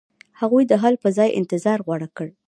هغوی د حل په ځای انتظار غوره کړ.